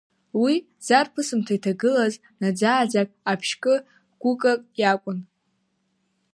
Уи зарԥысымҭа иҭагылаз наӡа-ааӡак, аԥшькы, гәыкык иакәын.